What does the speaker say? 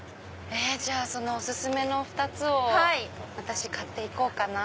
じゃあそのお薦めの２つを私買って行こうかな。